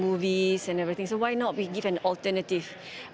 jadi kenapa tidak kita memberikan alternatif